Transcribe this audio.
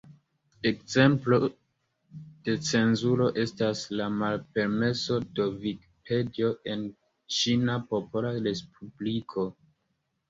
Ekzemplo de cenzuro estas la malpermeso de Vikipedio en Ĉina Popola Respubliko.